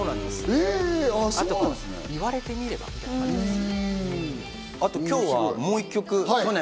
あと「言われてみれば」みたいな感じですね。